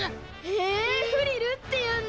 へえフリルっていうんだ。